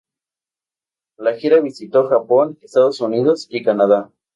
La gira visitó Japón, Estados Unidos y Canadá.